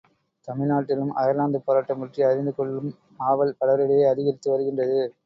தமிழ்நாட்டிலும் அயர்லாந்துப் போராட்டம் பற்றி அறிந்து கொள்ளும் ஆவல் பலரிடையே அதிகரித்து வருகின்றது.